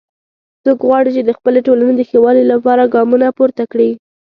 څوک غواړي چې د خپلې ټولنې د ښه والي لپاره ګامونه پورته کړي